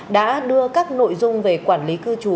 đã đưa các nội dung về quản lý cư trú